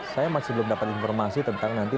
saya masih belum dapat informasi tentang nanti